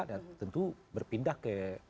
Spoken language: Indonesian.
dan tentu berpindah ke